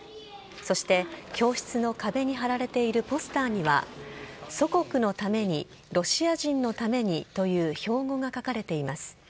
そして、教室の壁に貼られているポスターには祖国のために、ロシア人のためにという標語が書かれています。